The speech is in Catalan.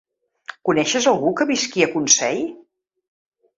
Coneixes algú que visqui a Consell?